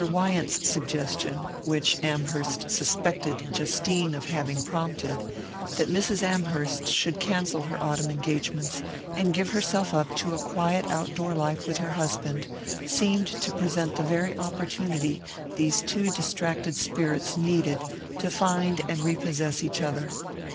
Wyant's suggestion which Amherst suspected Justine of having prompted that Mrs. Amherst should cancel her autumn engagements, and give herself up to a quiet outdoor life with her husband, seemed to present the very opportunity these two distracted spirits needed to find and repossess each other.